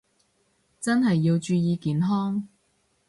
真係要注意健康